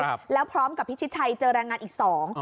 ครับแล้วพร้อมกับพิชิตชัยเจอแรงงานอีกสอง